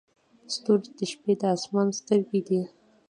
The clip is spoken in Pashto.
ستوري د شپې د اسمان سترګې دي.